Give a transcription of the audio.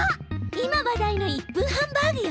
今話題の１分ハンバーグよ！